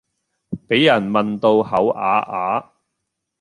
比人問到口啞啞